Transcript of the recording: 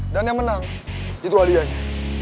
yang menang itu hadiahnya